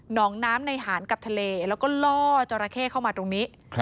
น้องน้ำในหารกับทะเลแล้วก็ล่อจราเข้เข้ามาตรงนี้